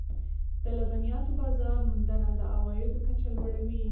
د لبنیاتو بازار موندنه د عوایدو کچه لوړوي.